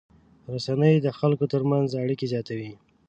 رسنۍ د خلکو تر منځ اړیکې زیاتوي.